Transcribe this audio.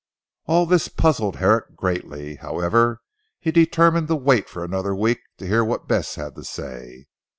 All this puzzled Herrick greatly. However, he determined to wait for another week to hear what Bess had to say.